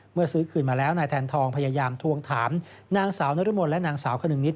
ซื้อคืนมาแล้วนายแทนทองพยายามทวงถามนางสาวนรมนและนางสาวขนึงนิด